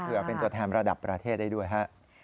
เพื่อเป็นตัวแทนระดับประเทศได้ด้วยฮะ